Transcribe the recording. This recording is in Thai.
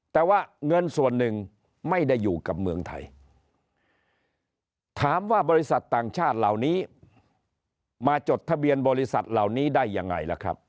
แต่ว่าเงินส่วนหนึ่งไม่ได้อยู่กับเมืองไทยถามว่าบริษัทต่างชาติเหล่านี้มาจดทะเบียนบริษัทเหล่านี้ได้ยังไงล่ะครับ